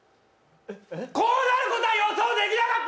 こうなることは予想できなかった？